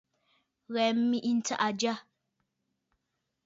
Ghɛ̀ɛ mèʼe ntsàʼà jyâ.